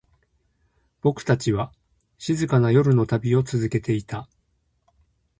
僕たちは、静かな夜の旅を続けていた。